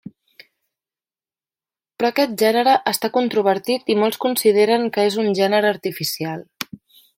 Però aquest gènere està controvertit i molts consideren que és un gènere artificial.